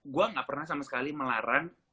gue gak pernah sama sekali melarang